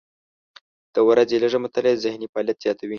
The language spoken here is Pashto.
د ورځې لږه مطالعه ذهني فعالیت زیاتوي.